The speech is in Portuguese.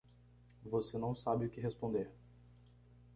Você não sabe o que responder.